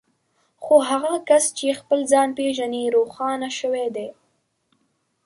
خو هغه کس چې خپل ځان پېژني روښانه شوی دی.